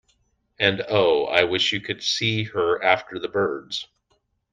And oh, I wish you could see her after the birds!